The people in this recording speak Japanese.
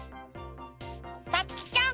さつきちゃん。